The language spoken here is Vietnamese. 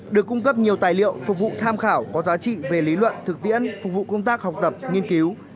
được cung cấp nhiều tài liệu phục vụ tham khảo có giá trị về lý luận thực tiễn phục vụ công tác học tập nghiên cứu